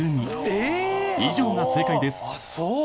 以上が正解です。